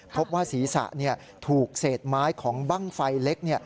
พบว่าศีรษะถูกเศษไม้ของบ้างไฟเล็ก